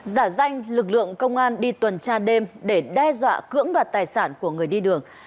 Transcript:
giả danh lực lượng công an đi tuần tra đêm để đe dọa cưỡng đoạt tài sản của người đi đường